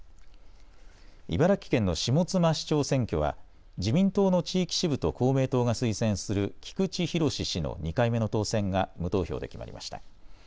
茨城県の下妻市長選挙は自民党の地域支部と公明党が推薦する菊池博氏の２回目の当選が無投票で決まりました。